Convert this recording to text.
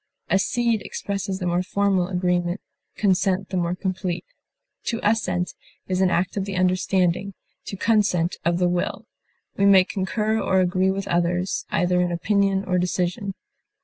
Accede expresses the more formal agreement, consent the more complete. To assent is an act of the understanding; to consent, of the will. We may concur or agree with others, either in opinion or decision.